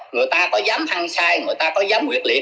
người ta có dám hăng sai người ta có dám nguyệt liệt